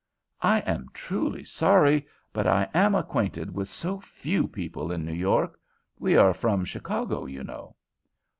"I am truly sorry, but I am acquainted with so few people in New York. We are from Chicago, you know."